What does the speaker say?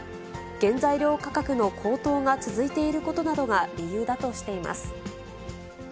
原材料価格の高騰が続いていることなどが理由だとしています。